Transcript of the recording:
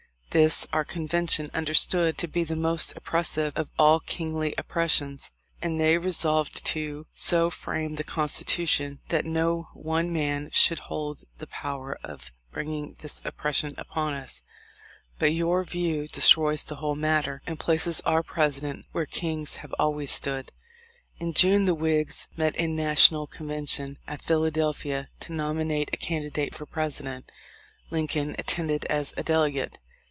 This, our convention under stood to be the most oppressive of all kingly oppressions ; and they resolved to so frame the Constitution that no one man should hold the power of bringing this oppression upon us. But THE LIFE OF LINCOLX. 283 your view destroys the whole matter, and places our President where kings have always stood." In June the Whigs met in national convention at Philadelphia to nominate a candidate for President. Lincoln attended as a delegate.